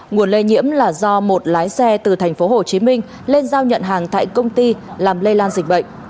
nguồn lây nhiễm là do một lái xe từ thành phố hồ chí minh lên giao nhận hàng tại công ty làm lây lan dịch bệnh